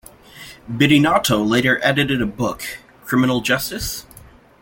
Bidinotto later edited a book, Criminal Justice?